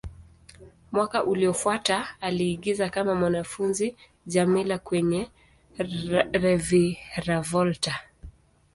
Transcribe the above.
Mwaka uliofuata, aliigiza kama mwanafunzi Djamila kwenye "Reviravolta".